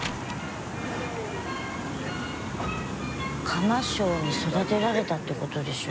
「釜匠」に育てられたってことでしょ？